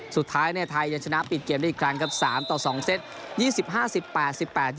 สุดท้ายในไทยยังชนะปิดเกมได้อีกครั้งครับ๓ต่อ๒เซต